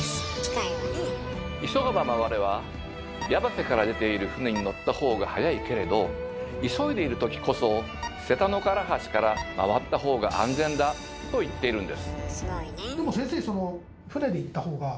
「急がば回れ」は矢橋から出ている船に乗った方が早いけれど急いでいる時こそ瀬田の唐橋から回った方が安全だと言っているんです。